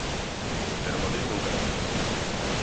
Pero Madrid non cae.